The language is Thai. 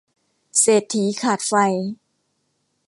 เศรษฐีขาดไฟ